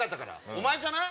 お前じゃない？